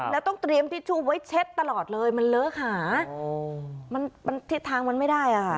แล้วต้องเตรียมทิชชู่ไว้เช็ดตลอดเลยมันเลอะหามันทิศทางมันไม่ได้อ่ะค่ะ